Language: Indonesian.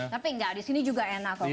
tapi enggak disini juga enak kok